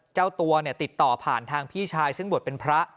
เจ้าตัวเนี่ยติดต่อผ่านทางพี่ชายซึ่งบวชเป็นพระ